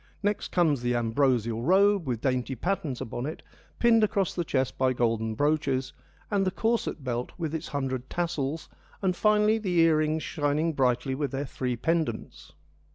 Next comes the ' am brosial ' robe with dainty patterns upon it, pinned 22 FEMINISM IN GREEK LITERATURE across the chest by golden brooches, and the corset belt with its hundred tassels, and finally the earrings shining brightly with their three pendants.